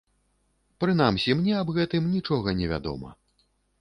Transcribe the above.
Прынамсі, мне аб гэтым нічога не вядома.